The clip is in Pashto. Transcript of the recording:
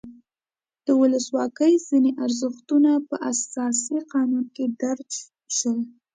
د ولسواکۍ ځینې ارزښتونه په اساسي قانون کې درج شول.